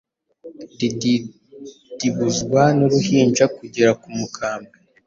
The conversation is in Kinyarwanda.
rididibuzwa n’uruhinja kugera ku mukambwe.